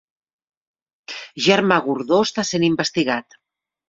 Germà Gordó està sent investigat